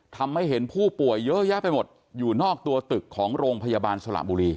ทำให้เห็นผู้ป่วยเยอะแยะไปหมดอยู่นอกตัวตึกของโรงพยาบาลสระบุรี